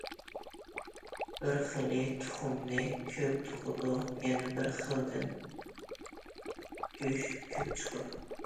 بىر خىلى تۇخۇمنى كۆپ تۇغىدۇ، يەنە بىر خىلىدىن گۆش كۆپ چىقىدۇ.